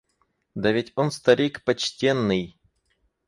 Да ведь он старик почтенный!